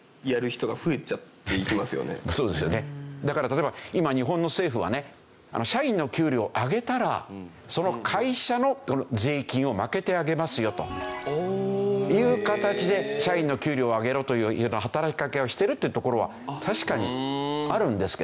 だから例えば今日本の政府はね社員の給料を上げたらその会社の税金をまけてあげますよという形で社員の給料を上げろというような働きかけをしてるっていうところは確かにあるんですけどね。